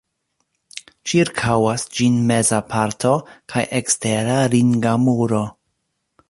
Ĉirkaŭas ĝin meza parto kaj ekstera ringa muro.